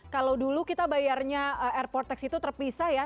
kalau dulu kita bayarnya airport tax itu terpisah ya